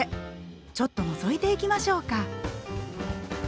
ちょっとのぞいていきましょうか。